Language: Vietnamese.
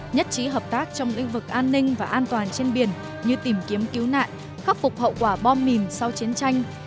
nhất trí hợp tác trong lĩnh vực an ninh và an toàn trên biển như tìm kiếm cứu nạn khắc phục hậu quả bom mìn sau chiến tranh